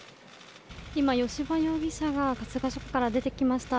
今、吉羽容疑者が春日署から出てきました。